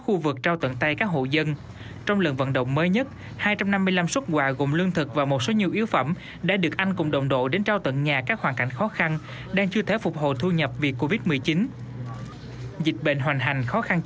phục vụ cho cuộc chiến thông tin với hệ thống truyền thanh của địch ở bờ nam